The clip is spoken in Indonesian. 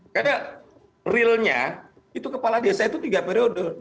karena realnya itu kepala desa itu tiga periode